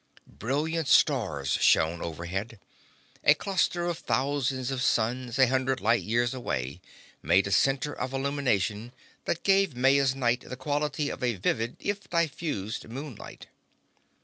Brilliant stars shone overhead. A cluster of thousands of suns, a hundred light years away, made a center of illumination that gave Maya's night the quality of a vivid if diffused moonlight.